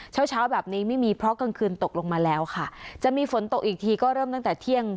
เช้าเช้าแบบนี้ไม่มีเพราะกลางคืนตกลงมาแล้วค่ะจะมีฝนตกอีกทีก็เริ่มตั้งแต่เที่ยง